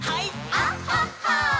「あっはっは」